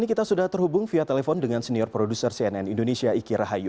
kita sudah terhubung via telepon dengan senior produser cnn indonesia iki rahayu